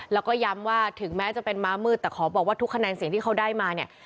แล้วก็ย้ำว่าถึงแม้จะเป็นม้ามืดแต่ขอบอกว่าทุกคะแนนเสียงที่เขาได้มาเนี่ย